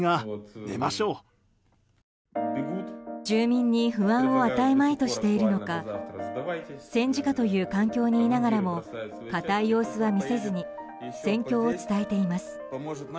住民に不安を与えまいとしているのか戦時下という環境にいながらも硬い様子は見せずに戦況を伝えています。